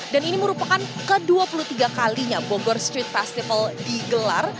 dan ini merupakan ke dua puluh tiga kalinya bogor street festival digelar